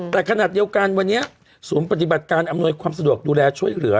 แต่ขณะเดียวกันวันนี้ศูนย์ปฏิบัติการอำนวยความสะดวกดูแลช่วยเหลือ